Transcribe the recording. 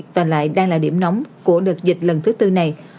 và lại đang là điểm nóng của đợt dịch lần thứ tư này